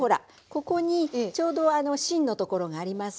ここにちょうど芯のところがありますよね？